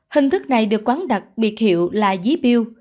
hình thức này được quán đặc biệt hiệu là dí biêu